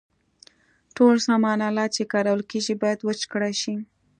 ټول سامان آلات چې کارول کیږي باید وچ کړای شي.